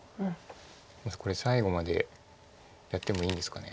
これ最後までやってもいいんですかね。